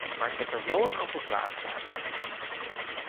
Maar ik heb er wel een aantal vragen bij.